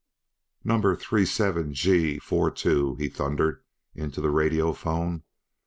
"Number three seven G four two!" he thundered into the radiophone.